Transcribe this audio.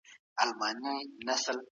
سکرینینګ د سرطان مخنیوي کې مرسته کوي.